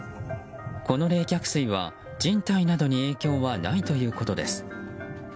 この冷却水は人体などに影響はないということです。